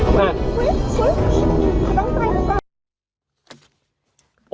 โอ้โห